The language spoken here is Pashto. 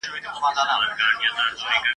جنرالان له یو بل سره په مخالفت کي ول.